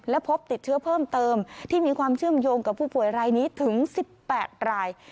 และพบติดเชื้อเพิ่มเติมที่มีความเชื่อมโยงกับผู้ป่วยรายนี้ถึง๑๘ราย